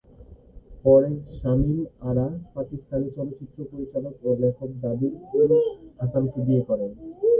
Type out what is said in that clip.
পরে, শামীম আরা পাকিস্তানি চলচ্চিত্র পরিচালক ও লেখক দাবির-উল-হাসানকে বিয়ে করেন।